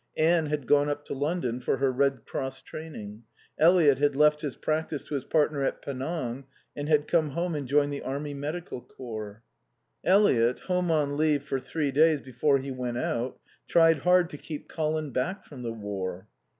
Anne had gone up to London for her Red Cross training. Eliot had left his practice to his partner at Penang and had come home and joined the Army Medical Corps. Eliot, home on leave for three days before he went out, tried hard to keep Colin back from the War.